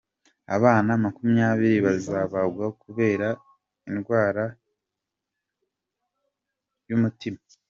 Abana makumyabiri bazabagwa kubera indwara y’umutima